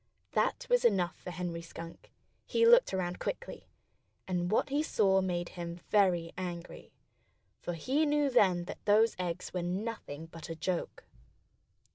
That was enough for Henry Skunk. He looked around quickly. And what he saw made him very angry. For he knew then that those eggs were nothing but a joke.